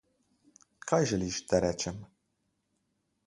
Kaj želiš, da rečem?